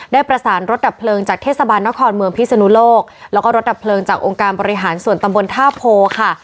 ได้ประสานรถดับเพลิงจากเทศบาลนครเมืองพิศนุโลกแล้วก็รถดับเพลิงจากองค์การบริหารส่วนตำบลท่าโพค่ะ